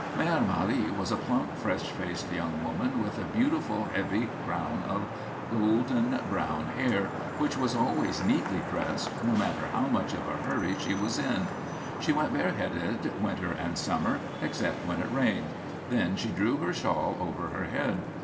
Mère Marie was a plump, fresh faced young woman with a beautiful, heavy crown of golden brown hair which was always neatly dressed, no matter how much of a hurry she was in. She went bareheaded, winter and summer, except when it rained; then she drew her shawl over her head.